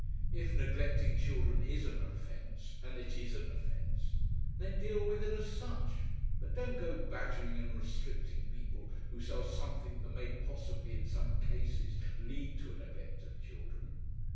If neglecting children is an offence, and it IS an offence, then deal with it as such, but don't go badgering and restricting people who sell something that may possibly in some cases lead to a neglect of children.